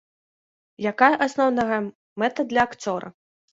Якая асноўная мэта для акцёра?